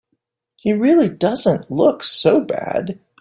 He really doesn't look so bad.